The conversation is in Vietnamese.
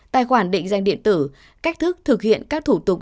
tài khoản định danh điện tử cách thức thực hiện các thủ tục